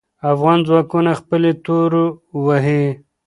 افغان ځواکونه خپلې تورو وهې.